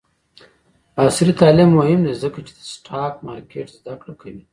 عصري تعلیم مهم دی ځکه چې د سټاک مارکیټ زدکړه کوي.